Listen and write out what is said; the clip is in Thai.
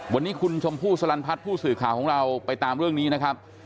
วันนี้คุณชมพู่สลันพัฒน์ผู้สื่อข่าวของเราไปตามเรื่องนี้นะครับ